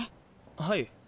はい。